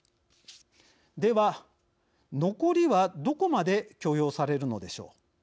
では、残りはどこまで許容されるのでしょう。